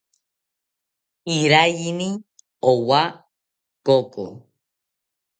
Iraiyini owa koko